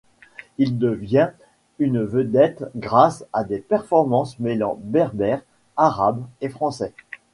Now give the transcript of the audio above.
Il devient une vedette grâce à des performances mêlant berbère, arabe et français.